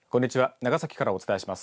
長崎からお伝えします。